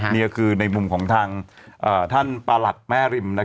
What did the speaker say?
นี่ก็คือในมุมของทางท่านประหลัดแม่ริม